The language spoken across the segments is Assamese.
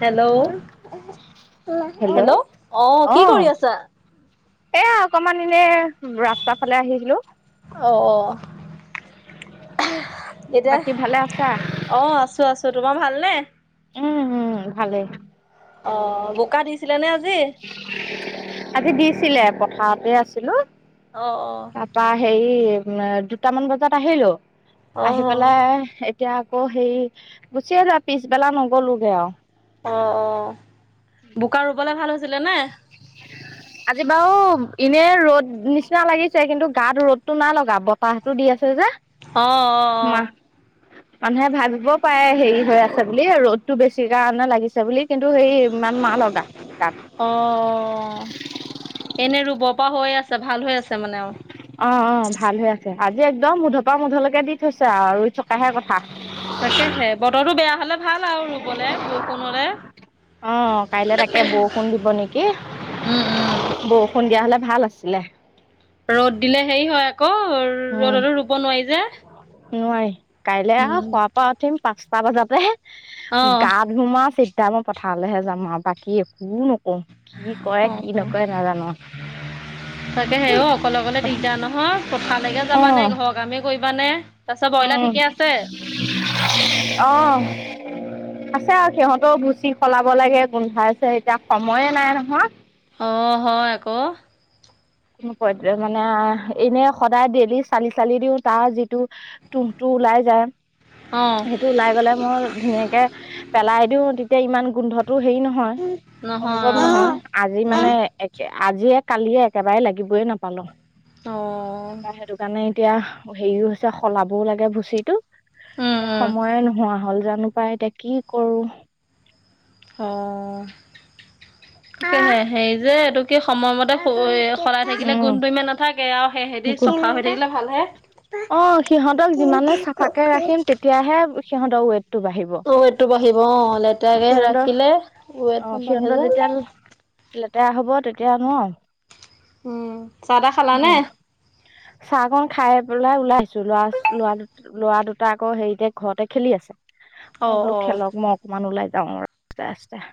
হেল্ল', হেল্ল', অ, কি কৰি আছা? এয়া অকমান এনে ৰাস্তা ফালে আহিছিলো। অ', এতিয়া বাকী ভালে আছা? অ', আছো। আছো। তোমাৰ ভালনে? উম', উম, ভালে। অ', বোকা দিছিলে নে আজি? আজি দিছিলে। পথাৰতে আছিলো। অ', অ, তপা হেৰি দুটামান বজাত আহিলো। অ আহি পেলাই এতিয়া আকৌ হেৰি গুচিয়ে যা পিছবেলা নগলোগে আৰু। অ', অ, বোকা ৰুবে ভাল হৈছিলে নে? আজি বাৰু এনে ৰ'দ নিচিনা লাগিছে। কিন্তু গাত ৰ'দতটো ন লগা বতাহতটো দি আছে যে। অ', অ, মাহ মানুহে ভাবিব পাৰে হেৰি হৈ আছে বুলি ৰ'দতটো বেছি কাৰণে লাগিছে বুলি। কিন্তু সেই ইমান না লগা। গাত অ', এনে ৰুব পৰা হৈয়ে আছে। ভাল হৈ আছে মানে আৰু অ', অ, ভাল হৈ আছে। আজি একদম মুধৰপা মুধলৈকে দি থৈছে আৰু ৰুই থকাহে কথা। তাকেহে বতৰটো বেয়া হলে ভাল আৰু ৰুবলে বৰষুণৰে অ', কাইলে তাকে বৰষুণ দিব নেকি উম উম বষ ষুণৰ দিয়া হ'লে ভাল আছিলে। ৰ'দ দিলে হেৰি হয়, আকৌ উম ৰ'দতো ৰুব নোৱাৰি যে, নোৱাৰি। কাইলে আৰু উম খুৱ পৰা উঠিম পাঁচটা বজাতে গাত ধুমা চিধা মই পথাৰলৈহে যাম আৰু বাকী একো নকও। অ', অ, তাকে হে অ, অকলে অকলে দিগদাৰ নহয়। কথালৈকে যাবা অঁ নে ঘৰৰ কামে কৰিবা নে। উম', আহ আছে, আৰু সিহঁতেও গুচি সলাব লাগে। গোন্ধাইছে এতিয়া সময়ে নাই নহয়। অ', হয়। আকৌ কোন মানে এনে সদায় ডেইলি চালি চালি দিও তাৰ যিটো তুংটো ওলাই যায়। অ সেইটো ওলাই গ'লে মই ধুনীয়াকে পেলাই দিও তেতিয়া ইমান গোন্ধটো হেৰি ন হয় অনুভৱ অ নহয় আজি উম মানে একে আজিয়ে কালিয়ে কেবাৰে লাগিবই নাপালো। অঁ কাৰণে এতিয়া হেৰিও হৈছে সলাবও লাগে ভুচিটো। উম এতিয়া উম সময়ে নোহোৱা হ'ল জানো পাই এতিয়া কি কৰো। অ কেলে হেৰি যে এইটো কি সময়মতে সলাই থাকিলে উম গোন্ধটো ইমান নাথাক আৰু সেহেদি চফা হৈ থাকিলে ভাল হে। অ সিহঁতক যিমানে চাফাকে ৰাখিম তেতিয়াহে সিহঁতৰ ৱেট ৱেটটো বাঢ়িব অ লেতেৰাকে সিহঁতৰ ৰাখিলে অ ৱেট নাবাঢ়ে সিহঁতৰ যে। যেতিয়া লেতেৰা হ'ব তেতিয়া নোৱাৰোঁ। উম চাহ তাহ খালানে? চাহকন খাই পেলাই ওলাই আহিছো। লৰা লৰা লৰা দুটা আকৌ হেৰিতে ঘৰতে খেলি আছে। অ মই বোলো অ খেলক মই অকমান ওলাই যাওঁ ৰাস্তা ৰাস্তা।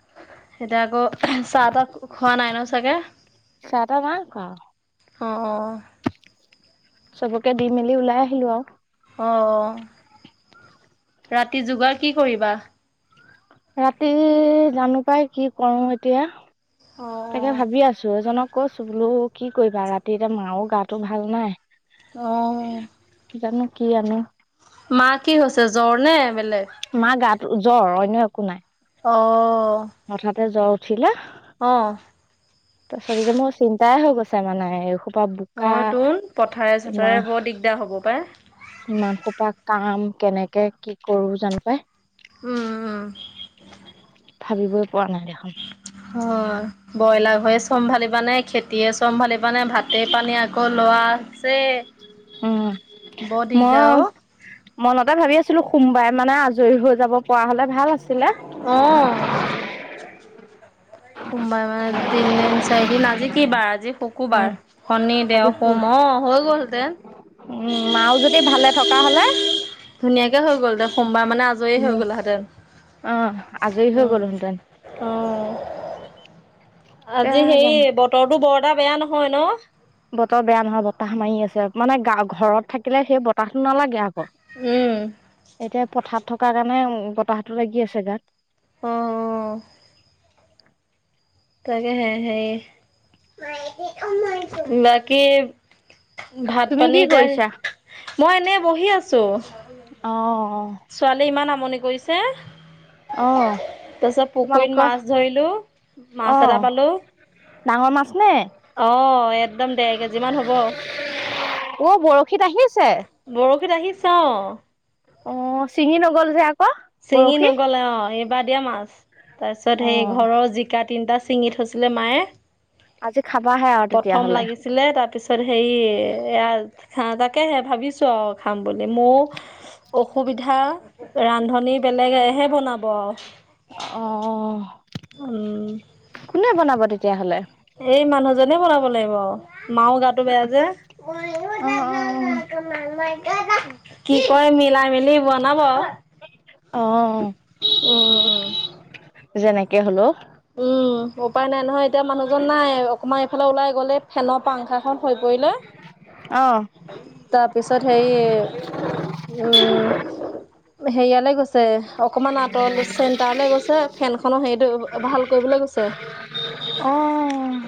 এতিয়া আকৌ চাহ তাহ খোৱা নাই নহয় চাগে। চাহ তাহ নাইখোৱা। অঁ অঁ। চবকে দি মেলি ওলাই আহিলো আও। অ, ৰাতি যোগাৰ কি কৰিবা? ৰাতি জানো পাই কি কৰো এতিয়া। অ। তাকে ভাবি আছো এজনক কৈছো বোলো কি কৰিবা ৰাতি এতিয়া মাও গাটো ভাল নাই। অ জানো কি আনে। মা কি হৈছে জ্বৰ নে বেলেগ? মা গাতো জ্বৰ অন্য একো নাই। অঁ হঠাতে জ্বৰ উঠিলে। অঁ। তাৰপিছত এতিয়া মোৰ চিন্তাই হৈ গৈছে মানে এইসোপা। অ বোকা তোৰ পথাৰে চথাৰে বৰ দিগদাৰ হ'ব পায়। সিমান সোপা কাম কেনেকে কি কৰো জানো পাই। উম উম। ভাবিবই পোৱা নাই দেখোন। অ ব্ৰইলাৰ হৈ চম্ভালিবা নে, খেতিয়ে চম্ভালিব নে, ভাতে পানীয়ে ক লৰা আছে উম বৰ মই দিগদাৰ অ। মনতে ভাবি আছিলো সোমবাৰে মানে আজৰি হৈ যাব পৰা হলে ভাল আছিলে। অ। সোমবাৰ মানে তিনদিন, চাৰিদিন আজি কি বাৰ আজি শুকুবাৰ, উম শনি, আজি দেও, সোম অ হৈ গলহেঁতেন। উম মাও যদি ভালে থকা হলে ধুনীয়াকে হৈ গ'ল হেঁতেন সোমবাৰ মানে আজৰি তুমি হৈ গ'লা হেঁতেন। অ', আজৰি হৈ গ'লো হেঁতেন। অ এতিয়া আজি হেৰি, জানো বতৰটো বৰ এটা বেয়া নহয় ন? বতৰ বেয়া নহয়, বতাহ মাৰি আছে। মানে গা ঘৰত থাকিলে সেই বতাহটো নালাগে আকৌ। উম। এতিয়া পথাৰত থকাৰ কাৰণে বতাহটো লাগি আছে গাত। অ'। তাকেহে হেৰি, বাকী ভাত তুমি কি পানী এতিয়া, কৰিছা মই এনে বহি আছোঁ। অ', অ'। ছোৱালীয়ে ইমান আমনি কৰিছে। অ অ তাৰপিছত পুখুৰীত তোমালোকৰ মাছ ধৰিলোঁ, মাছ অ এটা পালোঁ। ডাঙৰ মাছ নে? অ', একদম দেৰকেজি মান হ'ব। ঔ, বৰশীত আহিছে? বৰশীত আহিছে অ অ', চিঙি নগ'ল যে আকৌ। চিঙি বৰশী নগলে অ', এইবাৰ দিয়া মাছ, তাৰপিছত হেৰি, ঘৰৰ জিকা তিনিটা ছিঙি থৈছিলে মায়ে। আজি খাবাহে আৰু তেতিয়াহলে। ছিলে তাৰপিছত হেৰি, এইয়া তাকেহে ভাবিছোঁ আৰু খাম বুলি, মও অসুবিধা, ৰান্ধনি বেলেগহে বনাব আৰু। অ', অ', উম কোনে বনাব তেতিয়াহলে? এই মানুহজনে বনাব লাগিব আও, মাৰো গাটো বেয়া যে। কি কয়, মিলাই মি [unintelligible] বনাব, অ উম। যেনেকে হলেওঁ। উম উপায় নাই নহয়, এতিয়া মানুহজন নাই, অকণমান এইফালে ওলাই গ'ল, এই ফেনৰ পাংখা খন সৰি পৰিলে। অ'। তাৰপিছত হেৰি উম, হেয়ালৈ গৈছে। অকমান আঁতৰলৈ, চেণ্টাৰলৈ গৈছে, ফেনখনৰ হেৰিটো ভাল কৰিবলৈ গৈছে। অ'।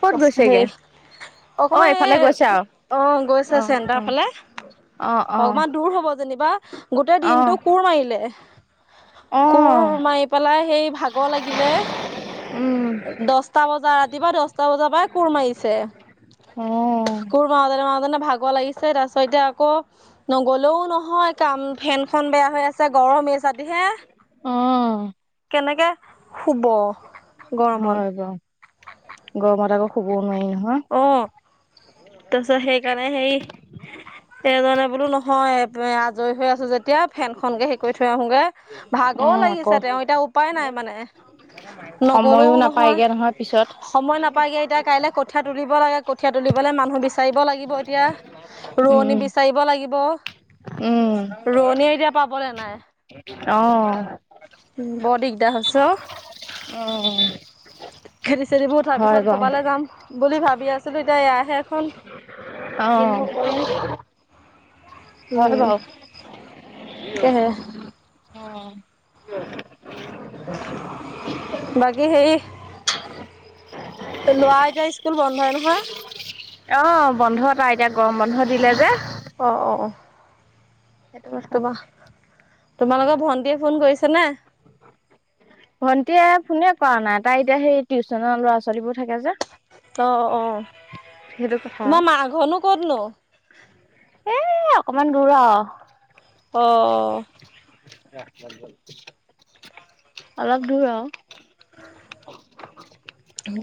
ক'ত [unintelligible] গৈছেগে দেই। অ অকমান এই, এইফালে গৈছে আৰু অ', গৈছে চেণ্টাৰৰ ফালে। অ অকমান অ দূৰ হব যেনিবা, গোটেই অ দিনটো কোৰ মাৰিলে। কোৰ মাৰি পেলাই হেৰি ভাগৰ লাগিলে, উম দহ দচটা বজা, ৰাতিপুৱা দহটা বজাৰ পৰাই কোৰ মাৰিছে। অ কোৰ মাৰুতেনে মাৰুতেনে ভাগৰ লাগিছে, তাৰপাছত এতিয়া আকৌ নগলেও নহয় কাম, ফেনখন বেয়া হৈ আছে, গৰম এচাটিহে। কেনেকে শুব গৰমত? হয় বাৰু গৰমত আকৌ শুবও নোৱাৰি নহয়। অ', তাৰপিছত সেইকাৰণে হেৰি, এজনে বোলো নহয় আজৰি হৈ আছোঁ যেতিয়া, ফেনখনকেই হেৰি কৰি থৈ আহোগে, অ ভাগৰ লাগিছে আকৌ তেওঁৰ এতিয়া উপাই নাই মানে, সময়ো নগলেওঁ নহয়, নাপায়গে পিছত সময় নাপায়গে এতিয়া কাইলে কঠীয়া তুলিব লাগে, কঠীয়া তুলিবলৈ মানুহ বিচাৰিব লাগিব এতিয়া। উম ৰোৱনী বিচাৰিব লাগিব। উম। ৰোৱনীয়ে এতিয়া পাবলৈ নাই। অ'। উম, বৰ দিগদাৰ হৈছে অ'। অ'। খেতি-চেটিবোৰ উঠাৰ পিছত ক'ৰবালৈ যাম বুলি ভাবি আছিলো, এতিয়া এয়াহে হ'ল। অ', কিনো কৰিম, হয় উম। বাৰু। তাকেহে। উম। বাকী [inaudible] ল'ৰাৰ এতিয়া স্কুল বন্ধয়ে নহয়? অ', বন্ধ তাৰ এতিয়া, গৰম বন্ধ দিলে যে। অ', অ', অ'। সেইটো কথা। তোমাৰ, তোমালোকৰ ভন্টিয়ে ফোন কৰিছে নে? ভন্টিয়ে ফোনে কৰা নাই, তাই এতিয়া হেৰি, টিউশচনৰ ল'ৰা-ছোৱালীবোৰ থাকে যে। অ', অ', সেইটো কথা আৰু। তোমাৰ মাৰ ঘৰনো ক'তনো? এ, অকমান দূৰ আৰু। অ'। অলপ দূৰ আৰু।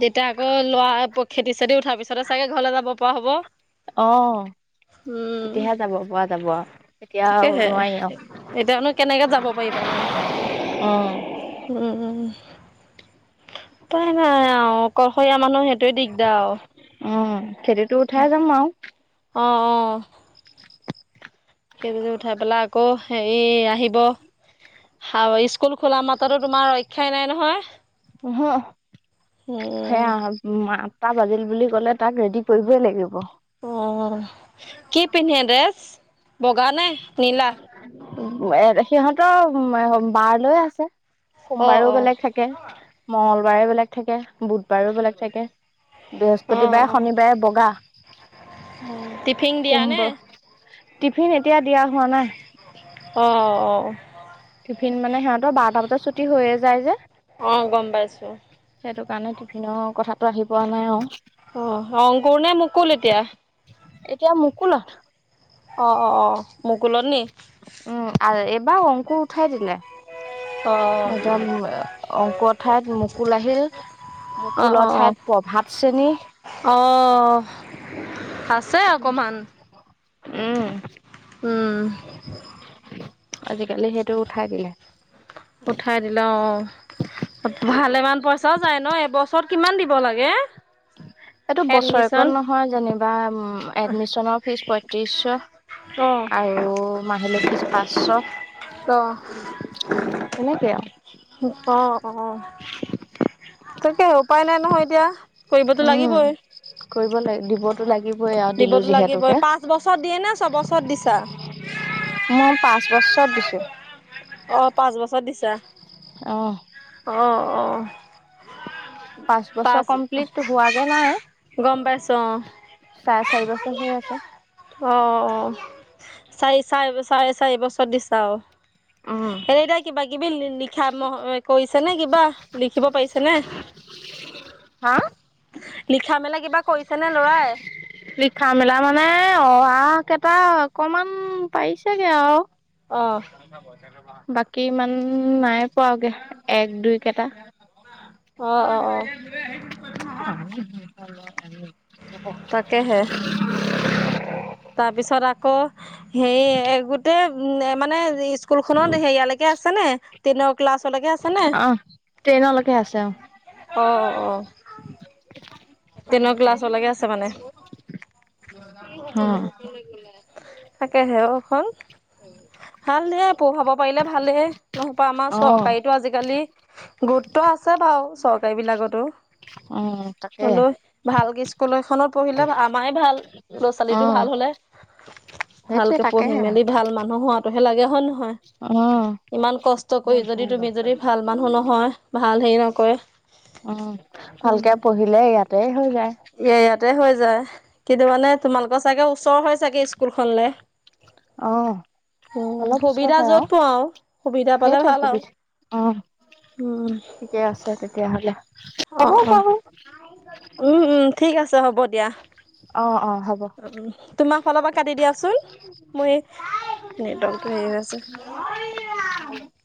তেতিয়া আকৌ ল'ৰা, খেতি-চেতি উঠাৰ পিছতে চাগৈ ঘৰলৈ যাব পৰা হ'ব? অ'। উম তেতিয়াহে যাব পৰা যাব আৰু, এতিয়া আৰু তাকেহে নোৱাৰি আৰু। এতিয়ানো কেনেকে যাব পাৰিবা নো? অ'। উম, উম। উপাই নাই আৰু, অকলশৰীয়া মানুহ সেইটোৱে দিগদাৰ আৰু। উম, খেতিটো উঠাই যাম আৰু। অ', অ'। খেতিটো উঠাই পেলাই আকৌ, হেৰি আহিব। হাউ, স্কুল খোলা মাত্ৰটো তোমাৰ, ৰক্ষাই নাই নহয়। উহু, সেয়া মা টা বাজিল বুলি ক'লে, তাক ৰেডি কৰিবই লাগিব। উম, কি পিন্ধে ড্ৰেছ, বগা নে নীলা? এ, সিহঁতৰ বাৰ লৈ আছে, অঁ সোমবাৰেও অঁ বেলেগ থাকে। থাকে, মঙ্গলবাৰেও বেলেগ থাকে, বুধবাৰেও বেলেগ থাকে। অঁ বৃহস্পতিবাৰে, অঁ শনিবাৰে বগা, টিফিন দিয়া নে সোমব টিফিন এতিয়া, দিয়া হোৱা নাই। অ', অ'। টিফিন মানে সিহঁতৰ, বাৰটা বজাত ছুটি হৈয়ে যায় যে। অ', গম পাইছো। সেইটো কাৰণে, টিফিনৰ কথাটো আহি পৰা নাই আৰু। অ', অংকুৰ নে মুকুল এতিয়া? এতিয়া মুকুলত। অ', অ', অ', মকুলত নি? উম, আৰ এইবাৰ অংকুৰ উঠাই দিলে। অঁ এতিয়া উম আ অংকুৰৰ ঠাইত মুকুল আহিল। অঁ মূ্কুলৰ ঠাইত প্ৰভাত শ্ৰেণী। অঁহ, আছে অকণমান। উম। আজিকালি সেইটো উঠাই দিলে। উঠাই দিলে অ'। ভালেমান পইচাও যায় ন, এবছৰত কিমান দিব লাগে? এইটো বছৰেকত এডমিশন নহয় যেনিবা, ওম এডমিশনৰ ফিজ পয়ত্ৰিশশ। অ আৰু মাহিলী ফিজ পাঁচশ। ত তেনেকে আৰু। অ অ, তাকে উপায় নাই নহয় এতিয়া। কৰিবতো উম, লাগিবই কৰিব লাগিব দিব টো লাগিবই আৰু দিলো দিবতো লাগিবই যিহেতুকে। পাঁচ বছৰত দিয়ে নে ছবছৰত দিছা মই পাঁচ বছৰত দিছো। অ পাঁচ বছৰত দিছা। অহ। অ অ। পাঁচ বছৰ কমপ্লিটটো হোৱাগে নাই? গম পাইছো চাৰে চাৰি বছৰ হৈ আছে। অ অ, চাৰি চাৰে বছ চাৰে চাৰি বছৰত দিছা অ। উম, এনে এতিয়া কিবা কিবি লি লিখা ম কৰিছে নে কিবা, লিখিব পাৰিছে নে? হা? লিখা মেলা কিবা কৰিছে নে লৰাই? লিখা মেলা মানে অ আ কেইটা অকমান পাৰিছেগে আৰু। অহ। বাকী ইমান নাই পোৱাগে এক, দুই কেইটা। অ', অ', অ', তাকেহে [unintelligible] তাৰপিছত আকৌ সেই হে গোটেই এ মানে স্কুলখনত সেইয়ালৈ কে আছে নে? টেনৰ ক্লাছলৈকে আছে নে? অ ট্ৰেইনলৈকে আছে অ অ অ। টেনৰ ক্লাছলৈকে আছে মানে [unintelligible] হু। অ', তাকেহে অ ফল। ভালে পঢ়াব পাৰিলে ভালে, নহ'বা আমাৰ অ অ চৰকাৰীটো আজিকালি গুৰুত্ব আছে বাৰু চৰকাৰীবিলাকতো। উম। হলও, ভালকে স্কুল এখনত পঢ়িলে আমাৰে ভাল, ল'ৰা - অ ছোৱালীটো ভাল হলে। সেইটোৱে ভালকে তাক পঢ়ি - মেলি ভাল মানুহ হোৱাটোহে লাগে হয় নহয়? অ। ইমান কষ্ট কৰি যদি তুমি যদি ভাল মানুহ নহয়, ভাল হেৰি নকৰে উম, ভালকে পঢ়িলে ইয়াতে হৈ যায়। এ ইয়াতে হৈ যায় কিন্তু মানে তোমালোকৰ চাগে ওচৰ হয় চাগে স্কুলখনলে। অ' উম, অলপ ওচৰ সুবিধা হয় যত আৰু পাও। সুবিধা পালে সেইটোৱে ভাল আৰু। সুবিধা। অ' উম। ঠিকে আছে তেতিয়াহ'লে। হ'ব অ', অ', বাৰু। উম, উম, ঠিক আছে, হ'ব দিয়া। অ', অ' হ'ব। তোমাৰ ফালৰ পৰা কাটি দিয়াচোন। মোৰ এই নেটৱৰ্কটো হেৰি হৈ আছে। [unintelligible]